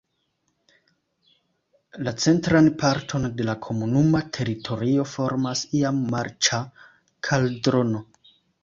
La centran parton de la komunuma teritorio formas iam marĉa kaldrono.